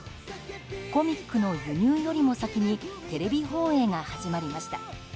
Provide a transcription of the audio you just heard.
コミックの輸入よりも先にテレビ放映が始まりました。